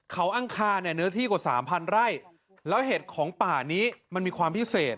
เขาอังคารเนี่ยเนื้อที่กว่าสามพันไร่แล้วเห็ดของป่านี้มันมีความพิเศษ